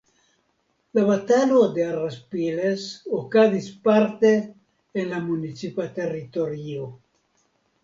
La Batalo de Araspiles okazis parte en la municipa teritorio.